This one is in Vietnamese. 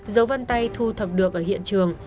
dấu văn tay thu thập được ở hiện trường